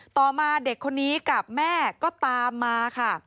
ต่อมาเด็กคนนี้กับแม่ก็ตามมาค่ะ